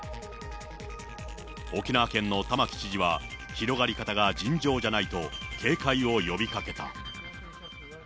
沖縄県の玉城知事は、広がり方が尋常じゃないと警戒を呼びかけた。